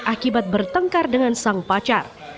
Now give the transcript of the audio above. akibat bertengkar dengan sang pacar